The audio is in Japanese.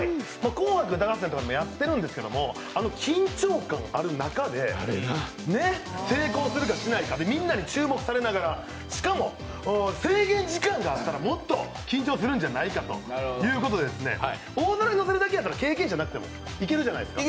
「紅白歌合戦」とかでもやってるんですけど、あの緊張感ある中で成功するかしないかみんなに注目されながらしかも、制限時間があったらもっと緊張するんじゃないかということで大皿に乗せるだけだったらできるじゃないですか。